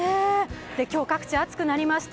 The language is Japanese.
今日各地暑くなりました。